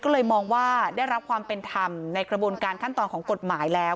ก็เลยมองว่าได้รับความเป็นธรรมในกระบวนการขั้นตอนของกฎหมายแล้ว